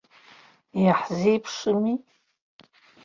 Иаҳзеиԥшыми.